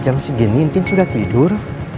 jam segini mungkin sudah tidur